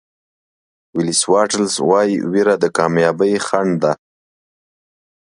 ولېس واټلز وایي وېره د کامیابۍ خنډ ده.